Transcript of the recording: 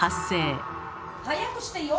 早くしてよ！